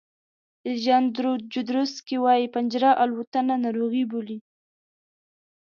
الیجاندرو جودروسکي وایي پنجره الوتنه ناروغي بولي.